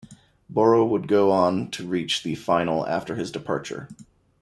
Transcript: Boro would go on to reach the final after his departure.